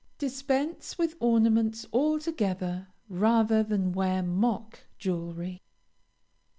Dispense with ornaments altogether rather than wear mock jewelry.